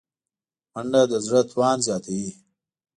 منډه د زړه توان زیاتوي